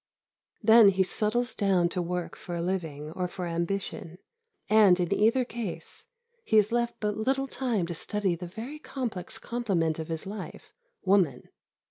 Then he settles down to work for a living or for ambition, and, in either case, he is left but little time to study the very complex complement of his life, woman.